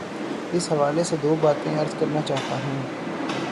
اس حوالے سے دو باتیں عرض کرنا چاہتا ہوں۔